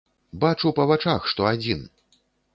Бачу па вачах, што адзін!